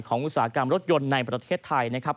ของอุตสาหกรรมรถยนต์ในประเทศไทย